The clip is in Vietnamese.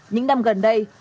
những năm gần đây